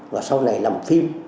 và sau này làm phim